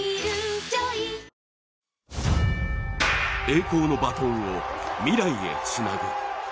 栄光のバトンを未来へつなぐ。